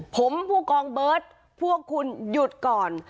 ผมผู้กองเบิร์ตพวกคุณหยุดก่อน